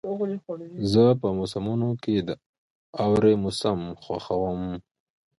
زه په موسمونو کې د اوړي موسم خوښوم.